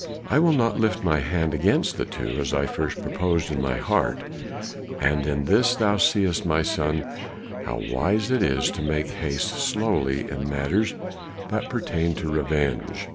I will not lift my hand against the two as I at first purposed in my heart; and in this thou seest, my son, how wise it is to make haste slowly in matters that pertain to revenge.